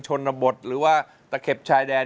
ชนบทหรือว่าตะเข็บชายแดน